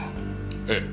ええ。